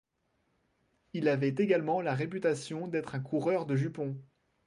Il avait également la réputation d’être un coureur de jupons.